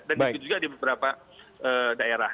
dan itu juga di beberapa daerah